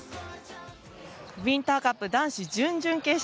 ウインターカップ男子準々決勝。